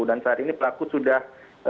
dan saat ini pelaku sudah